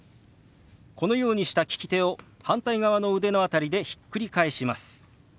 このようにした利き手を反対側の腕の辺りでひっくり返します。